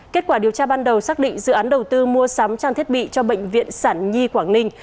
kết quả điều tra ban đầu xác định dự án đầu tư mua sắm trang thiết bị cho bệnh viện sản nhi quảng ninh